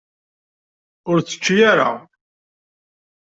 Ur tečči ara.